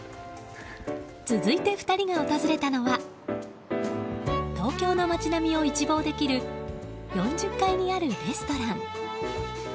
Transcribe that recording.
続いて２人が訪れたのは東京の街並みを一望できる４０階にあるレストラン。